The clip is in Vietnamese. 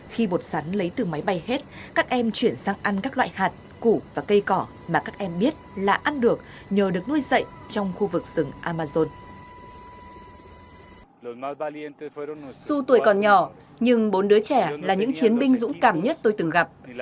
khi bột sắn lấy từ máy bay hết các em chuyển sang ăn các loại hạt củ và cây cỏ mà các em biết là ăn được nhờ được nuôi dậy trong khu vực rừng